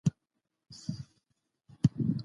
د الله د نعمتونو شکر ادا کړئ.